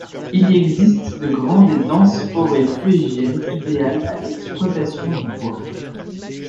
Il y existe de grandes et denses forêts fuégiennes idéales à l'exploitation du bois.